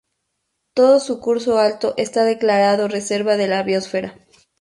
Todo su curso alto está declarado Reserva de la Biosfera.